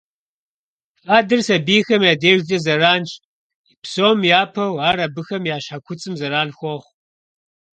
Фадэр сабийхэм я дежкӀэ зэранщ, псом япэу ар абыхэм я щхьэ куцӀым зэран хуохъу.